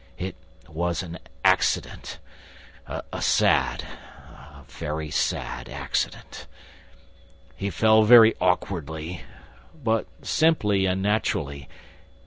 It was an ... accident ... a sad ... a very sad ... accident. He fell very awkwardly ... but simply and naturally